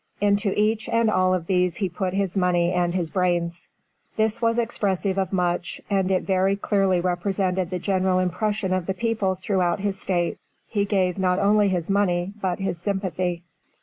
Into each and all of these he put his money and his brains." This was expressive of much, and it very clearly represented the general impression of the people throughout his State. He gave not only his money, but his sympathy.